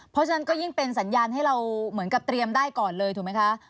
เพราะฉะนั้นก็ยิ่งเป็นสัญญาณให้เราเหมือนกับเตรียมได้ก่อนเลยถูกไหมคะ